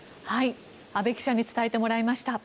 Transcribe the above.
阿部記者に伝えてもらいました。